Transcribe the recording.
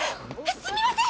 すみません！